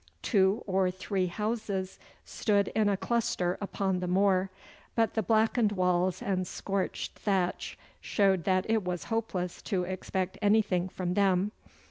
Two or three houses stood in a cluster upon the moor, but the blackened walls and scorched thatch showed that it was hopeless to expect anything from them.